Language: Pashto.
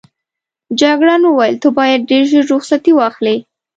جګړن وویل ته باید ډېر ژر رخصتي واخلې.